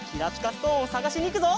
ストーンをさがしにいくぞ。